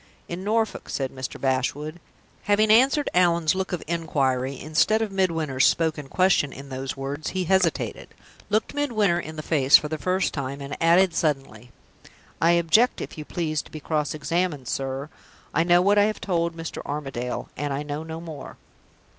"In Norfolk," said Mr. Bashwood. Having answered Allan's look of inquiry, instead of Midwinter's spoken question, in those words, he hesitated, looked Midwinter in the face for the first time, and added, suddenly: "I object, if you please, to be cross examined, sir. I know what I have told Mr. Armadale, and I know no more."